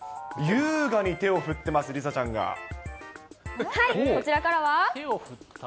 優雅に手を振ってます、梨紗ちゃはい、こちらからは。